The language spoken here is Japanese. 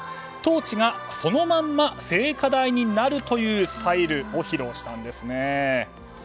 トーチがそのまま聖火台になるというスタイルを披露したんです。